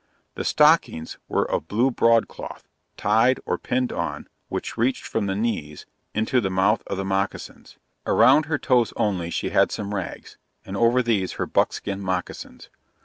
The stockings, were of blue broadcloth, tied, or pinned on, which reached from the knees, into the mouth of the moccasins. Around her toes only she had some rags, and over these her buckskin moccasins.